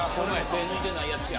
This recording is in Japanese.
手ぇ抜いてないやつや。